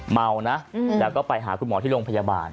เมานะแล้วก็ไปหาคุณหมอที่โรงพยาบาล